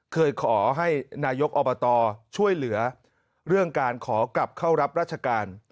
เคยขอให้นายกอบตช่วยเหลือเรื่องการขอกลับเข้ารับราชการ